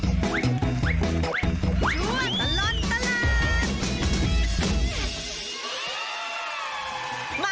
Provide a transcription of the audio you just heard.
ช่วยตลอดตลาด